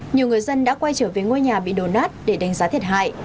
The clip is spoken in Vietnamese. nhiều người dân đã quay trở về ngôi nhà bị đổ nát để đánh giá thiệt hại